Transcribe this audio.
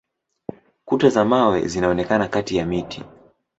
Kuta za mawe zinaonekana kati ya miti.